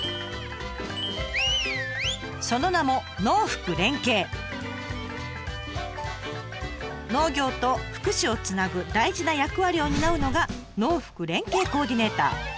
その名も農業と福祉をつなぐ大事な役割を担うのが農福連携コーディネーター。